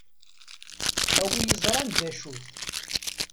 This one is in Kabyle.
A wi iẓṛan dacu-t.